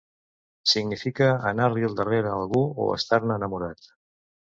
Significa anar-li al darrere a algú o estar-ne enamorat.